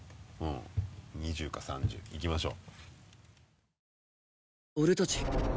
２０か３０いきましょう。